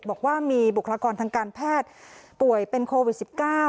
บอกว่ามีบุคลากรทางการแพทย์ป่วยเป็นโควิด๑๙